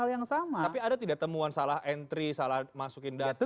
tapi ada tidak temuan salah entry salah masukin data